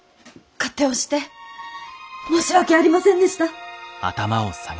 勝手をして申し訳ありませんでした。